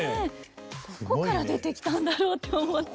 どこから出てきたんだろうって思って。